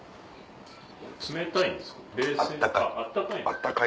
冷たいんですか？